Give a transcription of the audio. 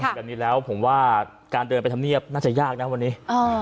แบบนี้แล้วผมว่าการเดินไปทำเนียบน่าจะยากนะวันนี้